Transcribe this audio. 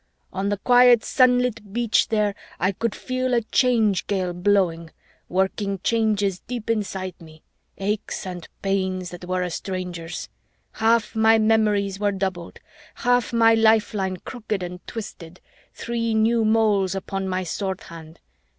On the quiet sunlit beach there, I could feel a Change Gale blowing, working changes deep inside me, aches and pains that were a stranger's. Half my memories were doubled, half my lifeline crooked and twisted, three new moles upon my sword hand.